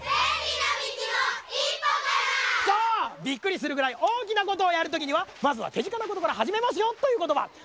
びっくりするぐらいおおきなことをやるときにはまずはてぢかなことからはじめますよということば。